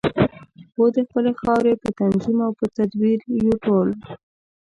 پوه د خپلې خاورې په تنظیم او په تدبیر یو ټول.